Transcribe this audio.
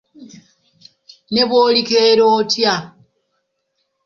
Ne bw’olikeera otya.